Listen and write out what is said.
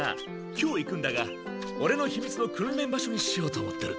今日行くんだがオレの秘密の訓練場所にしようと思ってる。